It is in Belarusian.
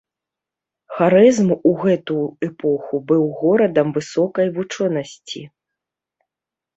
Харэзм у гэту эпоху быў горадам высокай вучонасці.